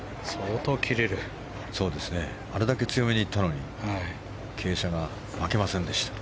あれだけ強めに行ったのに傾斜が負けませんでした。